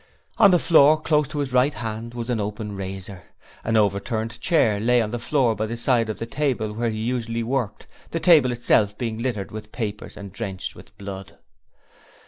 On the floor, close to his right hand, was an open razor. An overturned chair lay on the floor by the side of the table where he usually worked, the table itself being littered with papers and drenched with blood.